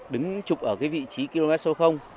đứng chụp ở cái vị trí km số